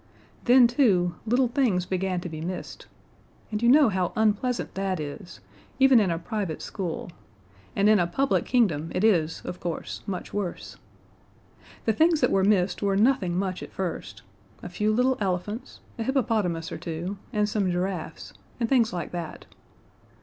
Then, too, little things began to be missed. And you know how unpleasant that is, even in a private school, and in a public kingdom it is, of course, much worse. The things that were missed were nothing much at first a few little elephants, a hippopotamus or two, and some giraffes, and things like that.